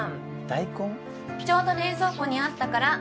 ちょうど冷蔵庫にあったから。